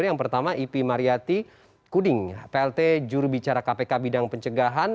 yang pertama ipi mariyati kuding plt jurubicara kpk bidang pencegahan